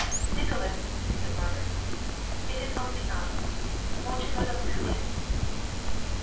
"Nicholas!" said Margaret again. "It is only us. Won't you let us come in?"